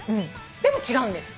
でも違うんです。